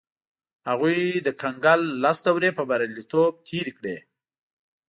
هغوی د کنګل لس دورې په بریالیتوب تېرې کړې.